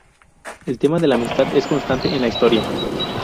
El tema de la amistad es constante en la historia.